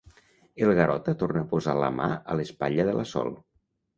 El Garota torna a posar la mà a l'espatlla de la Sol.